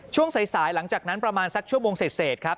ช่วงสายหลังจากนั้นประมาณสักชั่วโมงเสร็จครับ